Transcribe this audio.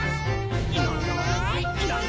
「いないいないいないいない」